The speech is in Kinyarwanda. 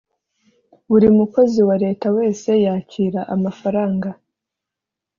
buri mukozi wa leta wese yakira amafaranga